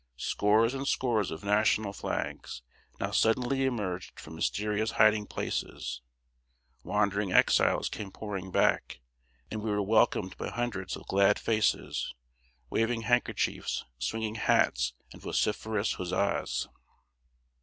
Scores and scores of National flags now suddenly emerged from mysterious hiding places; wandering exiles came pouring back, and we were welcomed by hundreds of glad faces, waving handkerchiefs, swinging hats, and vociferous huzzas.